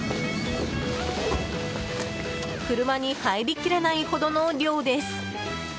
車に入りきらないほどの量です。